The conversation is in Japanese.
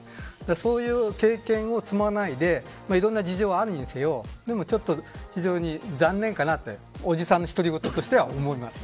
そういう経験を積まないでいろいろな事情があるにせよでもちょっと非常に残念かなとおじさんの独り言としては思います。